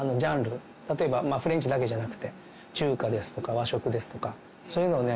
例えばフレンチだけじゃなくて中華ですとか和食ですとかそういうのをね